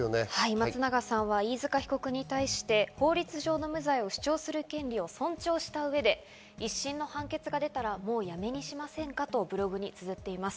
松永さんは飯塚被告に対して、法律上の無罪を主張する権利を尊重した上で一審の判決が出たらもうやめにしませんかとつづっています。